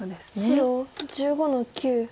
白１５の九。